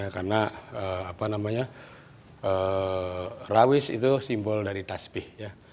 karena rawis itu simbol dari tasbih